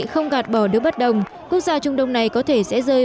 không gạt bỏ đứa bất đồng quốc gia trung đông này có thể sẽ rơi